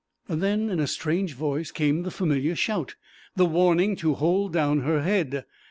Then in a strange voice came the familiar shout, the warning to hold down her head.